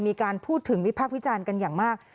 มีการพูดถึงวิพากษ์วิจารณ์กันอย่างมาก